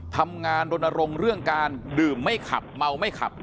ทำงานรณรงค์เรื่องการดื่มไม่ขับเมาไม่ขับ